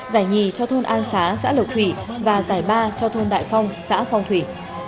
giải nhì cho thôn an xá xã lộc thủy và giải ba cho thôn đại phong xã phong thủy